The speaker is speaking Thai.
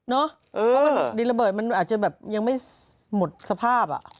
เนอะดินระเบิดมันอาจจะแบบยังไม่หมดสภาพอะ